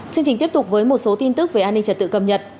chương trình tiếp tục với một số tin tức về an ninh trật tự cập nhật